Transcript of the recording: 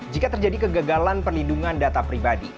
jika terjadi kegagalan perlindungan data pribadi